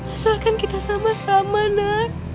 setelah kan kita sama sama nak